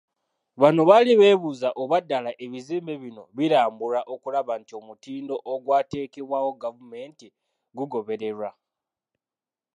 Bano bali beebuuza oba ddala ebizimbe bino birambulwa okulaba nti omutindo ogwateekebwawo gavumenti gugobererwa.